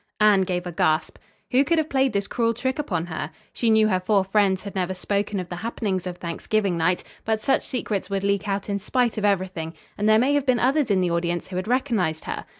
Anne gave a gasp. Who could have played this cruel trick upon her? She knew her four friends had never spoken of the happenings of Thanksgiving night, but such secrets would leak out in spite of everything, and there may have been others in the audience who had recognized her.